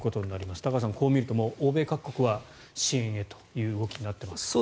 高橋さん、こう見ると欧米各国は支援へという動きになっています。